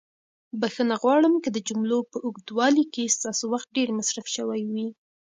بښنه غواړم که د جملو په اوږدوالي کې ستاسو وخت ډېر مصرف شوی وي.